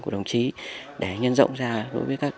của đồng chí để nhân rộng ra đối với các